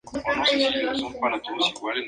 Posteriormente se mudaron a Nueva Zelanda.